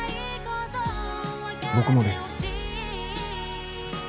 僕もです